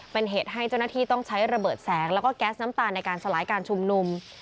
เป็นเหตุให้เจ้าหน้าที่ต้องใช้ระเบิดแสงแล้วก็แก๊สน้ำตาลในการสลายการชุมนุม